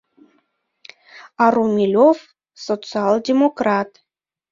А Румелёв — социал-демократ.